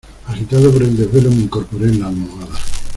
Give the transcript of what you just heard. agitado por el desvelo me incorporé en las almohadas.